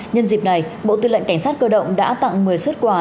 nhân dịp này bộ tư lệnh cảnh sát cơ động đã tặng một mươi xuất quà